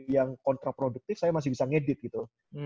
yang kontraproduktif saya masih bisa ngedit gitu